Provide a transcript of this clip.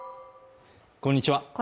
こんにちは